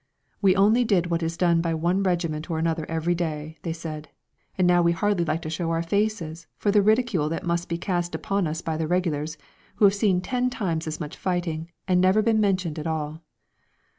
"We only did what is done by one regiment or another every day," they said, "and now we hardly like to show our faces for the ridicule that must be cast upon us by the Regulars, who have seen ten times as much fighting and never been mentioned at all."